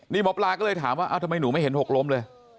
นี่หมอปลาก็เลยถามว่าทำไมหนูไม่เห็นหกล้มเลย